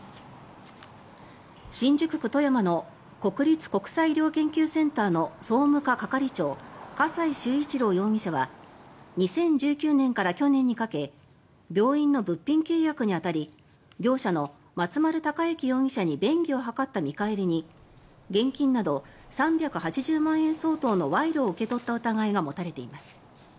新宿区戸山の国立国際医療研究センターの総務課係長笠井崇一郎容疑者は２０１９年から去年にかけ病院の物品契約に当たり業者の松丸隆行容疑者に便宜を図った見返りに現金など３８０万円相当の賄賂を受け取った疑いが持たれています。